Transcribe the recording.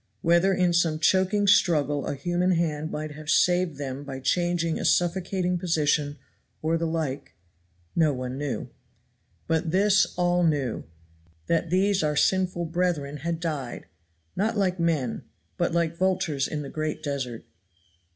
Whether in some choking struggle a human hand might have saved them by changing a suffocating position or the like no one knew. But this all knew that these our sinful brethren had died, not like men, but like vultures in the great desert.